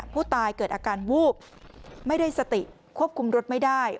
ผู้ตายเกิดอาการวูบไม่ได้สติควบคุมรถไม่ได้